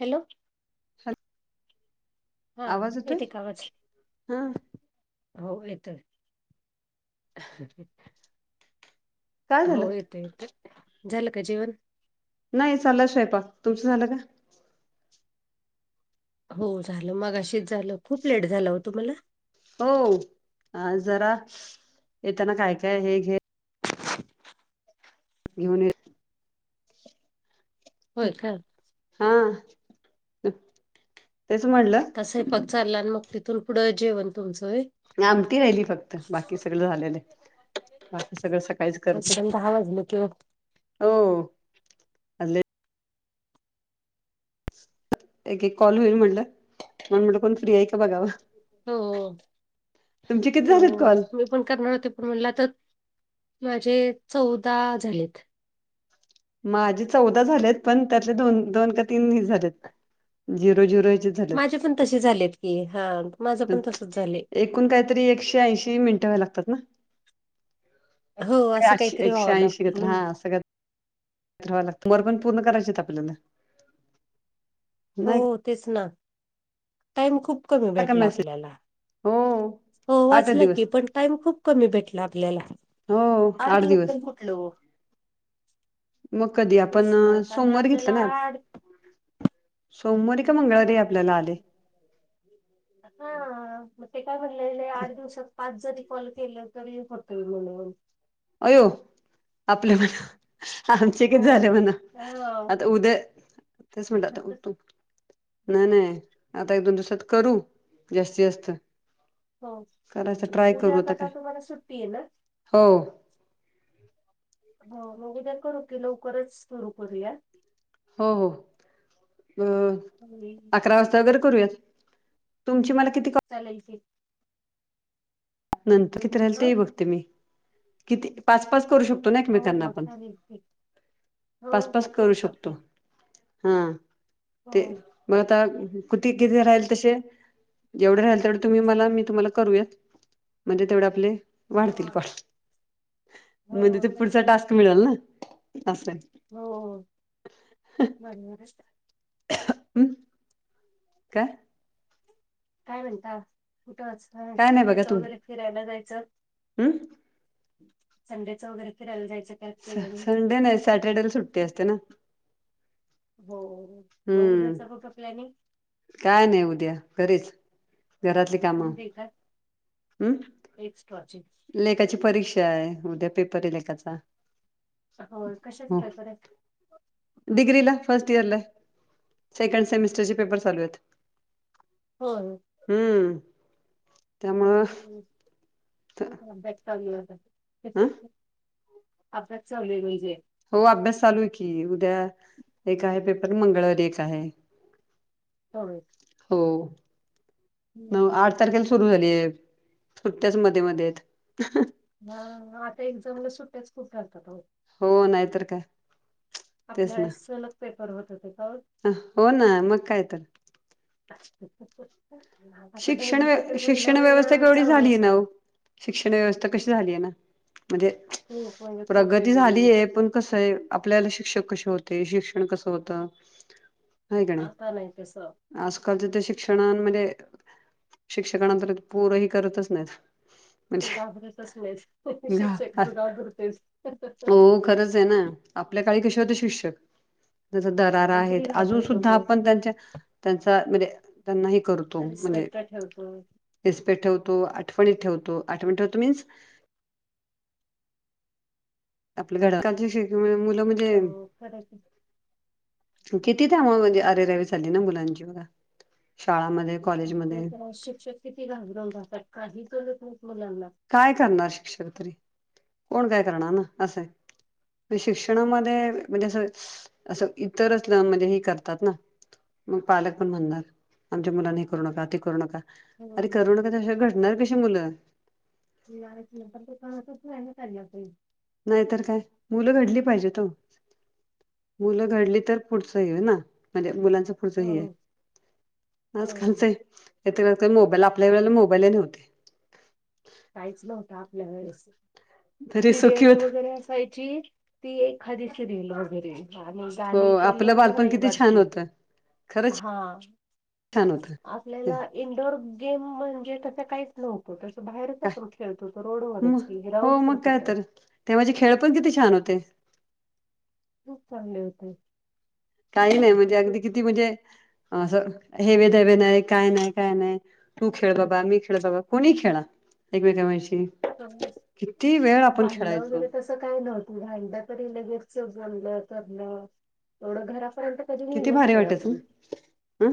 Hello. ह. हा ये ते कावच हा हो येत. काय हो झालं येत येत झालं का जीवन नाही चाला शिवायपा तुमचं झालं का? हो झालं मग अशीच झालं खूप लेट झालं होतु मला हो जरा येताना काय काय हे घ येहन होय का? हा. तेच म्हणलं आत्ता साहेपत चालला आणि मग तिथून पुढं जेवण तुमचं? आमती राहिली फक्त बाकी सगळ झालेलं. ह सगळ. म शषमता हवाज नकिव हो. आदल्या एक एक कॉल होईल म्हटलं म्हण म्हटलं कोण फ्री आहे का बघावा. हो किती हो झालेत कॉल म पण करणार होते पण म्हण तर माझे चौदा झालेत. माझे चौदा झालेत पण त्यातले दोन दोन का तीन झालेत झिरो झिरो झालेत माझे पण तसे झालेत की हा माझं पण तसच झालं. एकूण काहीतरी एकशे ऐंशी मिनटं व्या लागतात ना. हो असं एकशे काहीतरी एकशे व्हावं लागतं म्हण. वा लाग तमर पण पूर्ण करायचे आपल्याला हो नाही तेच ना टाइम खूप कमी आला का भेटला मेसेज आपल्याला हो हो आठ वाचलं दिवस की पण टाइम खूप कमी भेटला आपल्याला हो आठ दिव हॅलो मग कधी आपण कस ना कार सोमवारी आपल्याला घेतलं ना आड. सोमवारी क मंगळवारी आपल्याला आले. हा मतेे काय बलेले आर् दिवस. पाच जरी कॉल केलं तरी करत म्हणून अयो आपल्या म आमचे हो एकच झालं म्हणा हा आता उद्या तेच म्हटत. नाही नाही आता एक दोन दिवसात करू जास्तीत जास्त हो करायच ट्राय करू उद्या आता काय कता तुम्हाला सुट्टी आहे ना. हो. हो मग उद्या करू की लवकरच सुरू करूया. हो हो अ. हो. अ क. चाल क नंतर किती राहिल अ तेही बघते मी किती पाच पाच करू शक. हो एकमेकांना हो आपण चालेल की हो पासपस हो करू शकतो. शकता हा हो ते मग आता कुती किे राहील तसे जेवढे राहील तेवढ तुम्ही मला मी तुम्हाला करूयात. म्हणजे तेवढे आपले वाढतील हो का? मध् हो ते तेच पुढचा की टास्क मिळेल ना? असंय. हो. [unintelligible] [unintelligible] का? काय म्हणता? कुठं असता? काय नाही बघा संडेचं तुम्ही वगैरे फिरायला जायचं? [unintelligible] संडेचं वगैरे फिरायला जायचं? काय स प्लॅनिंग संडे नाही, सॅटरडेला सुट्टी असते ना. हो, मग हम्म उद्याचा कुठं, प्लॅनिंग? काय नाही उद्या. घरीच. घरातली कामं. उद्या का अं. एक्स्ट्राची. लेकाची परीक्षाय. उद्या पेपरय लेकाचा. हो कशाच पेपरय? डीग्रिला, फर्स्ट इयरला. सेकंड सेमिस्टरचे पेपर चालूयेत. होय. हम्म. त्यामुळं [unintelligible] अभ्यास चालू ह [unintelligible] अभ्यास चालूय, म्हणजे हो, अभ्यास चालूय की. उद्या, एक आहे पेपर. मंगळवारी एक आहे. होय. हो. नव -आठ हम्म. तारखेला सुरू झालीय. सुट्ट्याच, मध्ये- मध्येयत. ह. आता एक्झामला, सुट्ट्याच खूप राहतात, ओ. हो, नाहीतर काय. तेच आपल्या ना वेळेस, सलग पेपर होत होते. [unintelligible] अ [unintelligible] हो, ना. मग काय तर? [unintelligible] आता शिक्षण दहावीचे व्य, तर महिना शिक्षण महिना व्यवस्था केवढी चालू झालीय असते न ओ. शिक्षण व्यवस्था कशी झाली आहे ना? म्हणजे, खूप म्हणजे खूप प्रगती वेगळी झालीय, पण कसंय आपल्याला शिक्षक कसे होते? शिक्षण कसं होतं? आता नाही तसं. आजकालच्या त् शिक्षणांमध्ये शिक्षकानां तर, पोरं ही, करतच नाहीत. म्हणजे घाबरतच नाहीत [unintelligible] शिक्षक घाबरतेच. हो, खरंच आहे ना. आपल्या काळी कसे होते शिक्षक? जस दरारा आपण हे किती ते. अजून घाबरत सुद्धा होतो. आपण त्यांच्या त्यांचा, म्हणजे त्यांना ही करतो. म्हणजे रिस्पेक्ट ठेवतो. रिस्पेक्ट ठेवतो. आठवणी ठेवतो. आठवणी ठेवतो मीन्स आपलं [unintelligible] मुलं मंजे हो, खरंय की. किती त्यामुळे हो म्हणजे, हो अरेरावी चालली ना मुलांची बघा. शाळामध्ये कॉलेजमध्ये [unintelligible] शिक्षक किती घाबरवून राहतात. काही करत नाहीत मुलांना. काय करणार शिक्षक तरी? कोण काय करणार ना, असंय. शिक्षणामध्ये, म्हणजे अस [unintelligible] असं इतर मधे ही करतात ना. मग पालक पण म्हणणार, आमच्या मुलांना हे करू नका, ती करू नका. हो अरे करू [unintelligible] घडणार कशी मुलं? [unintelligible] पण ते कळतच नाही ना त्यांना काही. नाहीतर काय? मुलं घडली पाहिजेत ओ. मुलं घडली तर, पुढचं [unintelligible] ना म्हणजे मुलांच ह हो हो. आजकालचेेत का मोबाईल आपल्या वेळेला मोबाईल नव्हते टयचस टाप लेवलस तरी सुखी सिरियल होत वगैरे असायची ती एखादी सिरियल वगैरे हो गाणी पण आपलं बालपण किती छान रविवारची होतं खरंच हा छान होतं आपल्याला इंडोअर गेम म्हणजे तसं काही नव्हतो तर बाहेरच काय आपण खेळतो तो रोड मग वगरच की हे हो राऊड मग काय तर ते म्हणजे खेळ पण किती छान होते. खूप चांले होते काही नाही म्हणजे अगदी किती म्हणजे अस हेवे दावे नाही काय नाही काय नाही. तू खेळ बाबा मी खेळ बाबा कोणी खेळा एकमेकांशी किती वेळ आपण खेळायचो का भता तरी लगेच जलं एवढ घरा किती तरीलंच भारी नाही वाटायचं आपण ना ह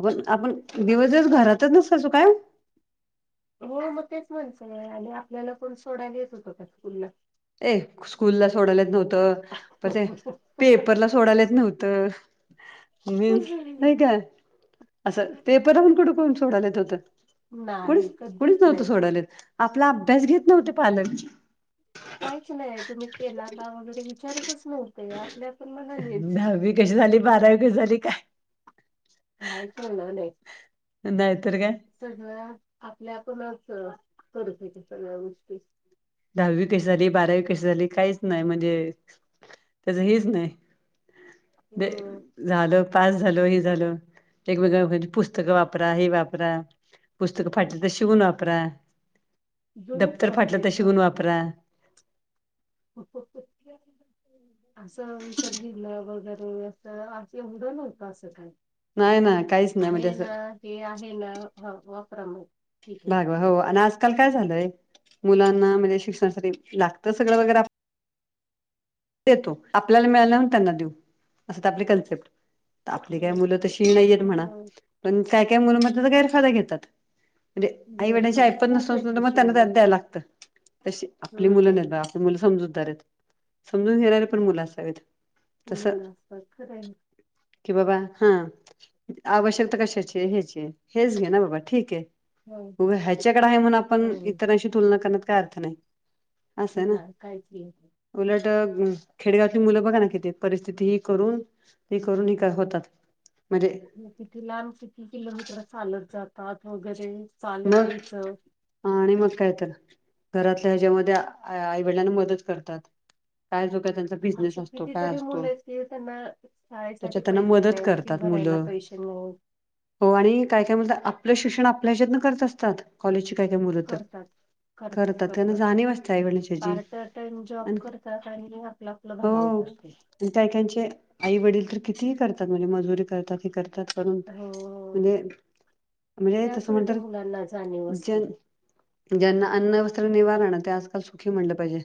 आपण आपण दिवस दिवस घरातच नसत. तो काय! हो मग तेच म्हणच आणि आपल्याला पण सोडायलाच होतं त्याच स्कूलला ए स्कूलला सोडायलाच नव्हतं. ते पेपरला सोडायलाच नव्हतं. मीन्स नाही काय असं पेपरहून कुठे कोण सोडालात होतं. कुणीच नाही कुणीच कधीच नव्हतं नाही. सोडवलेत. आपला अभ्यास घेत नव्हते पालन काहीच नाहीय तुम्ही केला का वगैरे विचारतच नव्हते. आपल्या पण बघानेच दहावी कशी झाली बारावी कशी झाली. काय हा येतलाे नाहीतर काय सगळ्या आपल्या आपणच करत आहेच्या सगळ्या गोष्टी दहावी कशी झाली बारावी कशी झाली काहीच नाही म्हणजे त्याच हच नाही. ब अ [unintelligible] झालं पास झाल हे झालं वेगवेगळं पुस्तकं वापरा हे वापरा पुस्तक फाटली तर शिवून वापरा जमूच दप्तर फाटलं तर वापरायचं शिवून वापरा असं तर ललं वगैरे [inaudible] आम उडं नव्हतं असं काही नाही ना काहीच नाही म्हणजे आहे असं ना ते आहे ना वापरा मग ठीक आहे भागवा हो आणि आजकाल काय झालंय मुलांना म्हणजे शिक्षणासाठी लागतं. सगळं वगैरे देतो आपल्याला मिळालाून त्यांना देऊ असं आपले कन्सेप्ट आपली काय ह मुलं तरशी नाही. येत म्हणा पण काय काय मुलं मग त्याचा तर गैरफायदा घेतात. म्हणजे बाहेर आई-वडिलांची ऐपत पण खूप नसत. आहेत तर मग तशी त्यांना मुलं त्यात द्यायला लागतं. अशी आपली मुलं हम्म नाहीत. आपली मुलं समजूतदार आहेत समजून घेणारी पण मुलं असावीेत असतात खरं आहे. कि बाबा हा आवश्यकता कशाचे ह्याची हेच घे ना बाबा ठीक आहे हो ह्याच्याकडे आहे म्हण आपण हो इतरांशी तुलना करण्यात काय अर्थ नाही. ह काहीच नाही उला खेडगावली मुलं बघा ना कि ते परिस्थिती ही करून ते करून ह होतात. म्हणजे किथे लहान किती किलो मित्र चालत जातात. वगैरे चालत मग याचं आणि मग काय तर घरातल्या ह्याच्यामध्ये आईवडिलांना मदत करतात. कायजो का त्यां अ कितीतरी मुले आहेत. की त्यांना शाळेसाठी त्याच्यात त्यांना पैसे मदत नाही. फी करतात भरायला मुलं. पैसे नाही. हो आणि काय काय म्हणत आपलं शिक्षण आपल्या ह्याच्यातन करत असतात. कॉलेजची काय काय मुलं तर करतात. करतात त्यांना करतात जाणीव असते आईवडिलांची ह्याची पार्ट टाइम जॉब आणि करतात आणि आपला लधान ब हो. होतष्टते [inaudible] आणि काहीकचे आई वडील तर कितीही करतात. म्हणजे मजुरी करतात क करतात करून हो म्हणजे म्हणजे तसं म्हणत जा ज ज्यांना अन्नवस्त्र निवारण ते आजकाल सुखी म्हणलं पाहिजे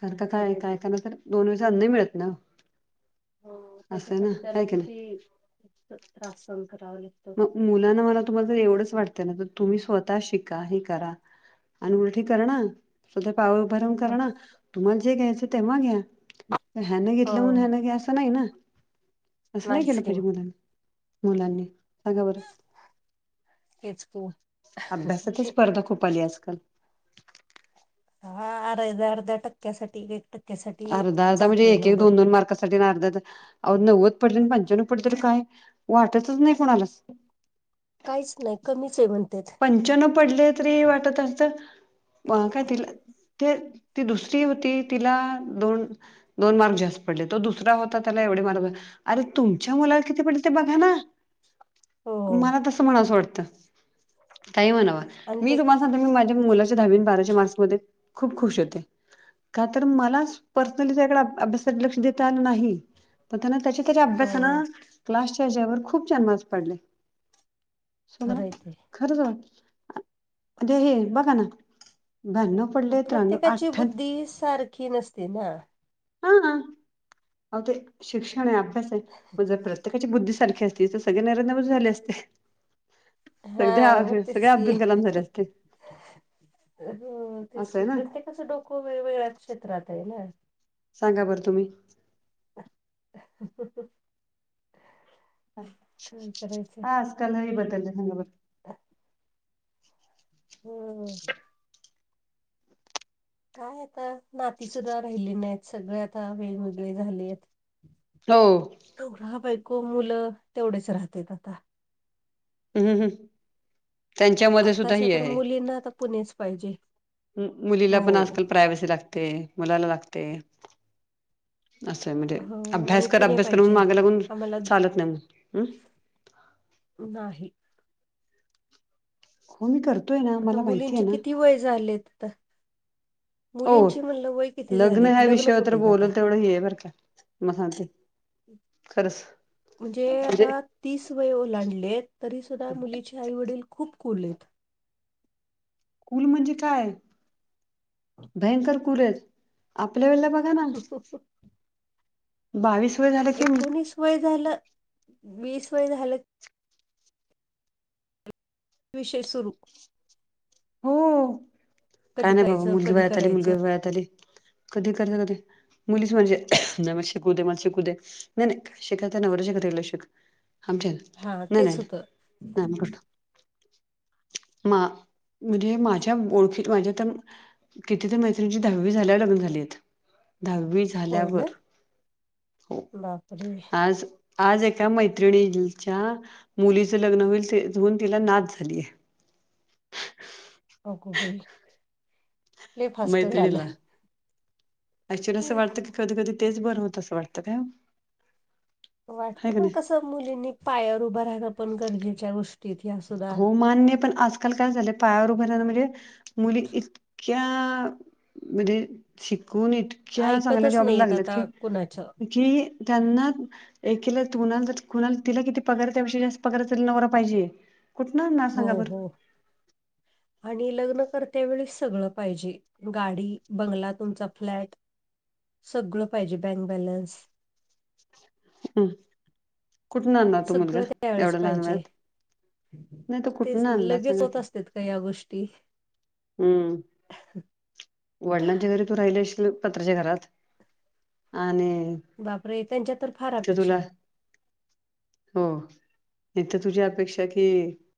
कारण का काय खरंय ते. कायकाना तर दोन वेळेस अन्न मिळत ना हो असं आहे ना त्याच्यासाठी त्यांना हाय की नाही. किती त्रास सन करावं लागत मग मुलांना मला तुम्हाला ज एवढंच वाटत ना तर तुम्ही स्वतः शिका हे करा अन उलठीी करणा स्वध पाव भरून करणार तुम्हाला जे घ्यायचं तेव्हा घ्या ह्यानं हो घेतलं म्हणून ह्यानं घ्या असं नाही ना असं नाही केलं नाहीच की पाहिजे मुलांनी मुलांनी सगा बरं एचपू अभ्यासाात स्पर्धा खूप आली आजकाल हा अर्ध्या अर्ध्या टक्क्यासाठीठी एक टक्क अर्धा अर्ा म्हणजे एक दोन दोन मार्क अर्ध नव्वद पडले आणि पंच्यान्व पडले तर काय वाटतच नाही कोणाला काहीच नाही कमीच आहे म्हणतात पंचन पडले तरी वाटत असत काय तिला ते ती दुसरी होती तिला दोन दोन मार्क जास्त पडले तो दुसरा होता त्याला एवढे मार्क अरे तुमच्या मुलाला किती पडल ते बघा ना हो मला तसं म्हणाचं वाटतं काही म्हणाव आणि ते मी तुम्हाला सांगत मी माझ्या मुलाच्या दहाावीन बाराशे मार्च मध्ये खूप खुश होते का तर मला पर्सनली त्या अभ्या लक्ष देता आ नाही पण त्यां त्या त्याच्या हो अभ्यासान क्लासच्यार्च्यावर खूप जन्मास पडले सो मला खरं आहे ते खरच वाट अे हे बघा ना भ प्रत्येकाची बुद्धी सारखी नसते ना हा ह हो ते शिक्ण आहे अभ्यास आहे म्हझ प्रश काची बुद्धीसारख असती तर सगळे नरेंदामध झाले असते हा सगळे सगळे मतसकीि अब्दुल कलाम झाले अ असते तेच असं की आहे ना प्रत्येकाचं डोकं वेगवेगळ्याच क्षेत्रात आहे ना सांगा बरं तुम्ही [inaudible] ह काय हा आजकाल बतल ह ब ह हम काय आता नाती सुुद्धा राहिली नाहीत सगळे आता वेगवेगळे झाले आहेत हो हा बायको मुलं तेवढेच राहत आता ह ह हं आत्ताच्या तर मुलींना आता पुणेच पाहिजे मुलीला हो पण आजकाल प्रायवसी लागते मुलाला लागते असं आहे म्हणजे हो आणि अभ्यास कर पुणे अभ्यास कर म्हणून पाहिजे माग्या लागून आम्हाला चालत नाहीग हम् नाही हो मी करतोय ना आता मला माहिती मुलींचे आहे ना किती वय झालेत आता हो मुलींची म्हणलं वय किती लग्न झालेत ह्या विषयावर तर कुठे आहेत आता बोलल तेवढं हे बर का महा ते म्हणजे आता तीस वय ओलांडले तरी सुद्धा मुलीचे आई वडील खूप कोुरलेत कुल म्हणजे काय भयंकर कुल आहेत. आपल्या वेळेला बघा ना. बावीस वज झा. एकोणीस वय झालं वीस वय झालं. विषय सुरू हो काय कधी नाही बाबा करायचं मुलगी कधी वयात आली मुलगी करायचं वयात आली कधी करत कधी मुलीच म्हणजे नव शिकू दे मला शिकू दे नाही नाही का शिकता नवर शिकतल शिक. आमच्या हा नाही नाही तेच होतं. नाही करतो मा म्हणजे माझ्या ओळखीत माझ्या तर किती तर मैत्रिची दहावी झाल्या लागून झाली दहावी होय ना झाल्यावर हो बापरे आज आज एका मैत्रिणीच्या मुलीचं लग्न होईल तेून तिला नाच झालीय अ खोबई इले फास्ट मैत्रिणीला झालं ऍक्च्युली असं वाटतं की कधी कधी तेच बरं होतं असं वाटतं का? वाटत नाही पण कस मुलींनी पायावर उभं राहाणं पण गरजेच्या गोष्टीत या हो मान्य पण आजकाल काय झालंय पायावर उभ रा म्हणजे मुली एक अ्ख्या म्हध्येे शिकूनत सांगाल्या ऐकतच जॉबल्याला नाहीयेत लागल्यात आता की कुणाच्या कि त्यांना एकला तुणाला कुणा तिला किती पगार त्याविषयी जास्त पगार त नव पाहिजे. कुठ? हो हो आणि लग्न करत्या वेळीस सगळ पाहिजे. गाडी बंगला तुमचा फ्लॅट सगळं पाहिजे बँक बॅलन्स हम् कुठून आणणार तो मुलगा सगळं त्यावेेळेस एवढा पाहिजे ललात तेच लगेच होत की असत का या गोष्टी हम्म. वडिलांच्या घरी तू राहिल असशील पत्राच्या घरात आणि बापरे त्यांच्या तर फार इथे अपेक्षा तुला हो इथ तुझी अपेक्षा कि